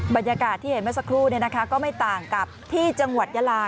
บรรยากาศที่เห็นเมื่อสักครู่ก็ไม่ต่างกับที่จังหวัดยาลา